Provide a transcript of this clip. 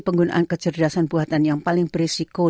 penggunaan kecerdasan buatan yang paling berisiko